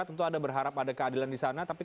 tentu ada berharap ada keadilan di sana